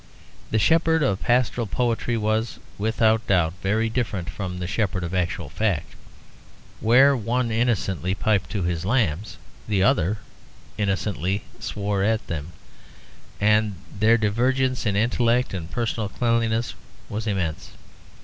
The shepherd of pastoral poetry was, without doubt, very different from the shepherd of actual fact. Where one innocently piped to his lambs, the other innocently swore at them; and their divergence in intellect and personal cleanliness was immense.